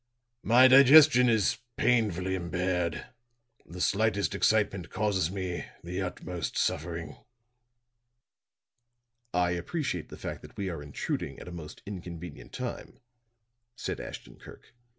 My digestion is painfully impaired; the slightest excitement causes me the utmost suffering." "I appreciate the fact that we are intruding at a most inconvenient time," said Ashton Kirk.